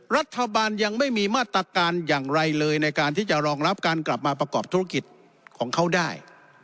รัฐบาลยังไม่มีมาตรการอย่างไรเลยในการที่จะรองรับการกลับมาประกอบธุรกิจของเขาได้